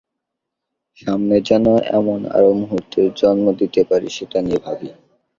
সামনে যেন এমন আরও মুহূর্তের জন্ম দিতে পারি, সেটা নিয়ে ভাবি।